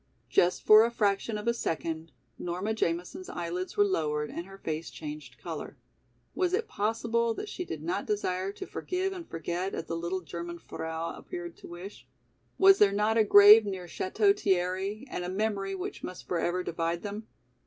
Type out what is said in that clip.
Just for a fraction of a second Nora Jamison's eyelids were lowered and her face changed color. Was it possible that she did not desire to forgive and forget as the little German frau appeared to wish? Was there not a grave near Château Thierry and a memory which must forever divide them?